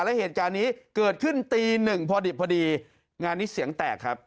และเหตุการณ์นี้เกิดขึ้นตีหนึ่งพอดิบพอดีงานนี้เสียงแตกครับ